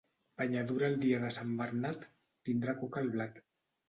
Banyadura el dia de Sant Bernat, tindrà cuc el blat.